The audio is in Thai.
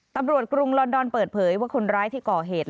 กรุงลอนดอนเปิดเผยว่าคนร้ายที่ก่อเหตุ